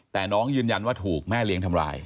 แต่น้องยืนยันว่าถูกแม่เลี้ยงทำร้าย